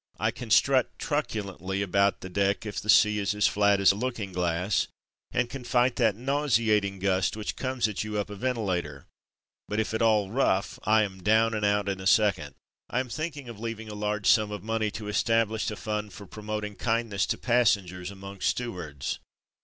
I can strut trucu lently about the deck if the sea is as flat as a looking glass, and can fight that nauseating gust which comes at you up a ventilator, but if at all rough, I am down and out in a second. New York 297 I am thinking of leaving a large sum of money to establish a fund for promoting kindness to passengers amongst stewards.